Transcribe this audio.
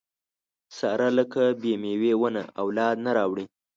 ساره لکه بې مېوې ونه اولاد نه راوړي.